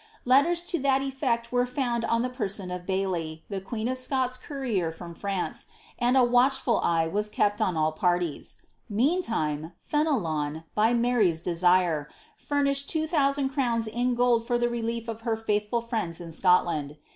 Letters to that effect were found on the person of Baily, the queen of Scots' courier from France, and a watch ful eye was kept on all parties. Meantime, Fenelon, by Mary's desire, furnished two thousand crowns in gold for the relief of her faithful friends in Scotland.